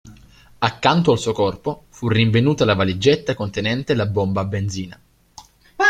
Accanto al suo corpo fu rinvenuta la valigetta contenente la bomba a benzina.